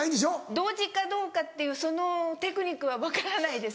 同時かどうかっていうそのテクニックは分からないです